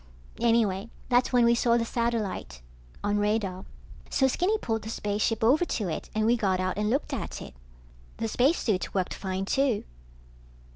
Anyway that's when we saw the satellite on radar. So Skinny pulled the spaceship over to it and we got out and looked at it. The spacesuits worked fine, too.